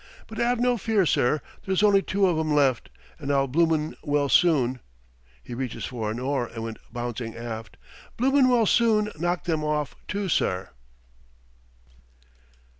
But 'ave no fear, sir, there's only two of 'em left, and I'll bloomin' well soon" he reaches for an oar and went bouncing aft "bloomin' well soon knock them hoff, too, sir!"